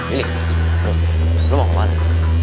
ini lu mau ke mana